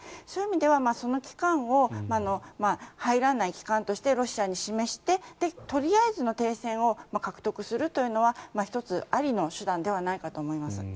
そういう意味ではその期間を入らない期間としてロシアに示してとりあえずの停戦を獲得するのは１つ、ありの手段ではないかと思います。